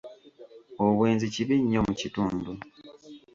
Obwenzi kibi nnyo mu kitundu.